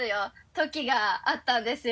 ときがあったんですよ。